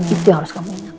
itu yang harus kamu ingat ya